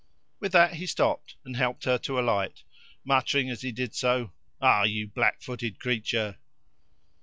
With that he stopped, and helped her to alight muttering as he did so: "Ah, you blackfooted creature!"